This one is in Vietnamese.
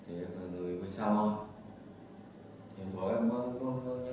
ở đaisse town